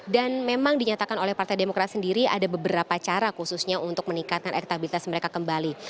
dan memang dinyatakan oleh partai demokrat sendiri ada beberapa cara khususnya untuk meningkatkan aktabilitas mereka kembali